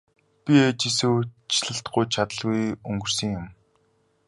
Би ээжээсээ уучлалт гуйж чадалгүй өнгөрсөн юм.